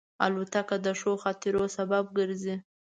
الوتکه د ښو خاطرو سبب ګرځي.